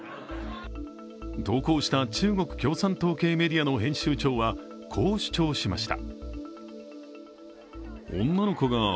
投稿した中国共産党系メディアの編集長はこう主張しました。